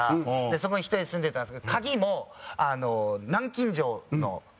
そこに１人で住んでたんですけど鍵も南京錠の鍵